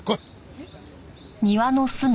えっ？